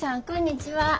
こんにちは。